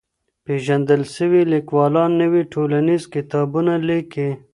پېژندل سوي ليکوالان نوي ټولنيز کتابونه ليکي.